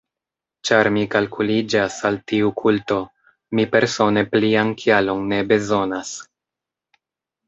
Ĉar mi kalkuliĝas al tiu kulto, mi persone plian kialon ne bezonas.